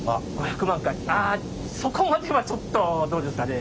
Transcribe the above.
あそこまではちょっとどうですかね。